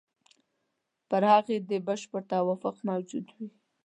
پر هغې دې بشپړ توافق موجود وي.